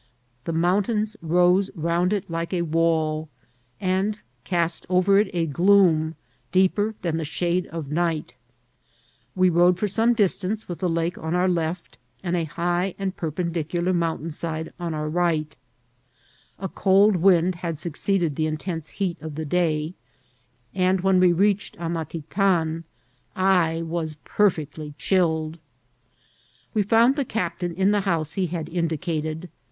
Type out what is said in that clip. The mountains rose round it like a wall, and east over it a gloom deeper than the shade ol night» We rode for some distance with the lake on our left^ and a high and perpendicular mountain side on our right A cold wind had succeeded the intense heat o£ the day, and when we reached Amatitan I was perfectly chilled. We found the cs^tain in the house he had in* dicated.